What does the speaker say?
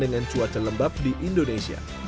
dalam kekuatan dan lebihi para pengumuman indonesia